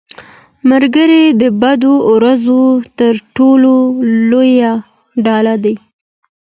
ملګری د بدو ورځو تر ټولو لویه ډال دی